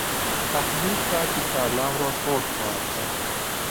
تهدید کرد که کلهام را خرد خواهد کرد.